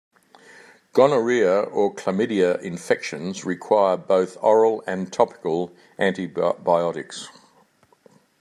Gonorrhea or chlamydia infections require both oral and topical antibiotics.